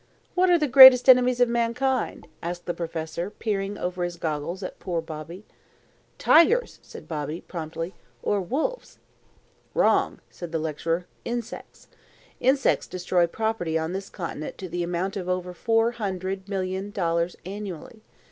"What are the greatest enemies of mankind?" asked the professor, peering over his goggles at poor Bobby. "Tigers," said Bobby, promptly; "or wolves." "Wrong," said the lecturer. "Insects. Insects destroy property on this continent to the amount of over four hundred million dollars annually.